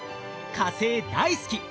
火星大好き